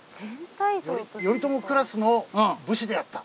頼朝クラスの武士であった。